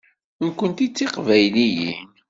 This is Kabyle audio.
Nekknti d tiqbayliyin.